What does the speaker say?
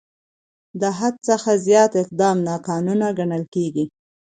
د حد څخه زیات اقدام ناقانونه ګڼل کېږي.